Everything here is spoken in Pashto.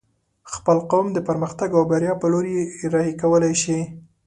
خپل قوم د پرمختګ او بريا په لوري رهي کولی شې